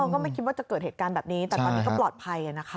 ก็ไม่คิดว่าจะเกิดเหตุการณ์แบบนี้แต่ตอนนี้ก็ปลอดภัยนะคะ